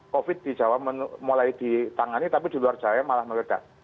covid di jawa mulai ditangani tapi di luar jawa malah meledak